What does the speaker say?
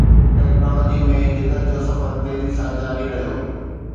ٽيڪنالاجيءَ ۾ جدت جو سفر تيزيءَ سان جاري رهيو